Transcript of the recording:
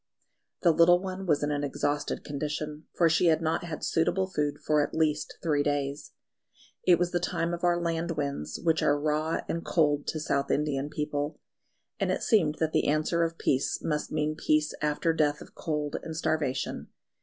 The little one was in an exhausted condition, for she had not had suitable food for at least three days. It was the time of our land winds, which are raw and cold to South Indian people; and it seemed that the answer of peace must mean peace after death of cold and starvation.